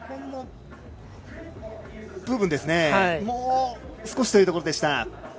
もう少しというところでした。